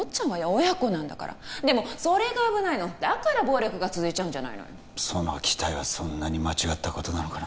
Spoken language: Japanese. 親子なんだからでもそれが危ないのだから暴力が続いちゃうんじゃないのよその期待はそんなに間違ったことなのかな